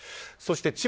そして、